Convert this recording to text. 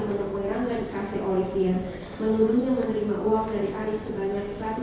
dan dihubungkan dengan kandungan yang berada di rumah sakit abdiwaluyo